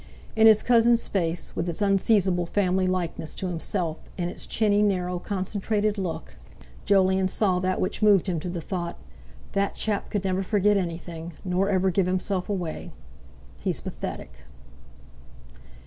In his cousin's face, with its unseizable family likeness to himself, and its chinny, narrow, concentrated look, Jolyon saw that which moved him to the thought: "That chap could never forget anything—nor ever give himself away. He's pathetic!"